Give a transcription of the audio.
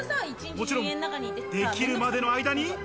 もちろん、できるまでの間に。